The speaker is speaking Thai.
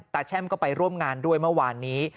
แช่มก็ไปร่วมงานด้วยเมื่อวานนี้